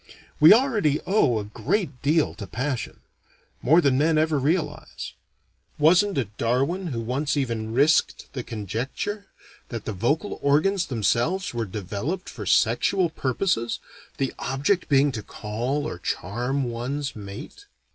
We already owe a great deal to passion: more than men ever realize. Wasn't it Darwin who once even risked the conjecture that the vocal organs themselves were developed for sexual purposes, the object being to call or charm one's mate.